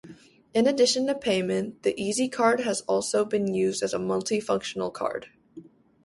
In addition to payment, the EasyCard has also been used as a multifunctional card.